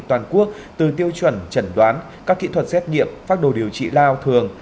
toàn quốc từ tiêu chuẩn chẩn đoán các kỹ thuật xét nghiệm phác đồ điều trị lao thường